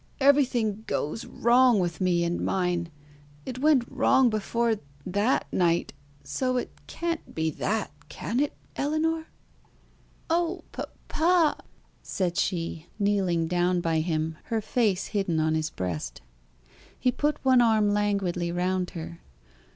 Everything goes wrong with me and mine: it went wrong before THAT night so it can't be that, can it, Ellinor?" "Oh, papa!" said she, kneeling down by him, her face hidden on his breast. He put one arm languidly round her.